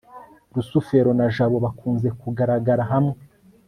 rusufero na jabo bakunze kugaragara hamwe